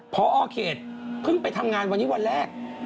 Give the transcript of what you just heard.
พอเขตเพิ่งไปทำงานวันนี้วันแรก